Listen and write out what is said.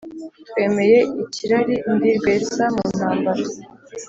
Twemeye ikirari ndi rwesa mu ntambara